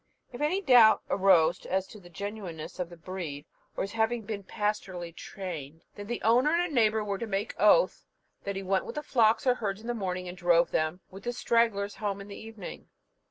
If any doubt arose as to the genuineness of the breed, or his having been pastorally trained, then the owner and a neighbour were to make oath that he went with the flocks or herds in the morning, and drove them, with the stragglers, home in the evening."